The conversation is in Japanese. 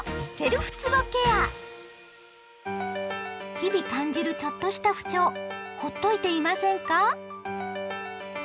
日々感じるちょっとした不調ほっといていませんか？